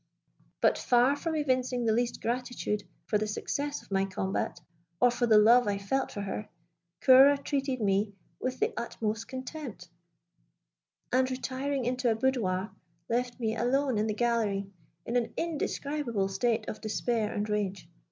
But far from evincing the least gratitude for the success of my combat, or for the love I felt for her, Ceora treated me with the utmost contempt; and, retiring into a boudoir, left me alone in the gallery, in an indescribable state of despair and rage.